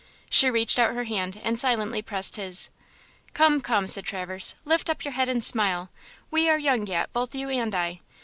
She reached out her hand and silently pressed his. "Come, come," said Traverse; "lift up your head and smile! We are young yet–both you and I!